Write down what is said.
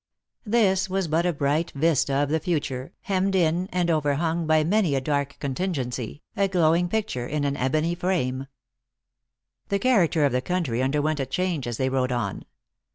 This was but a bright vista of the future, hemmed in and overhung THE ACTEESS IN HIGH LIFE. 237 by many a dark contingency, a glowing picture in an ebony frame. The character of the country underwent a change as they rode on.